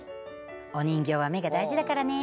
お人形は目が大事だからね。